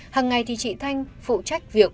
hằng ngày thì chị thanh phụ trách việc